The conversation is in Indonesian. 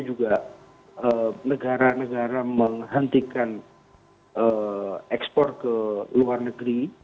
juga negara negara menghentikan ekspor ke luar negeri